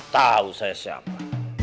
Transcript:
tahu saya siapa